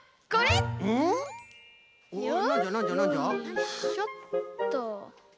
よいしょっと。